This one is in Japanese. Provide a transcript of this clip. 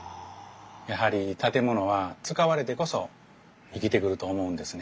やはり建物は使われてこそ生きてくると思うんですね。